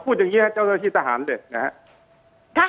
พูดอย่างนี้ครับเจ้าหน้าที่ทหารเด็กนะครับ